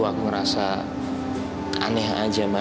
aku ngerasa aneh aja